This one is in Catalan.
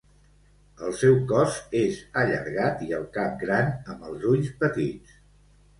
El seu cos és allargat i el cap gran amb els ulls petits.